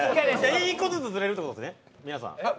１個ずつずれるってことね？